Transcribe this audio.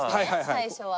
最初は。